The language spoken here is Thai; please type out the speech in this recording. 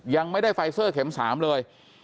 ยังไม่ได้ไฟเซอร์เข็ม๓เลย